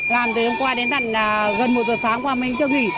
làm từ hôm qua đến tận gần một giờ sáng qua mình chưa nghỉ